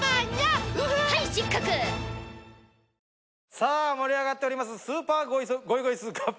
さあ盛り上がっておりますスーパー。